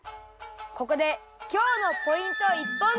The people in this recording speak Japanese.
ここで今日のポイント一本釣り！